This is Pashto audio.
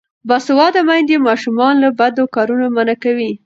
باسواده میندې ماشومان له بدو کارونو منع کوي.